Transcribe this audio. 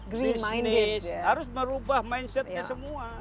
green minded harus merubah mindsetnya semua main main